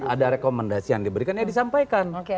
ada rekomendasi yang diberikan ya disampaikan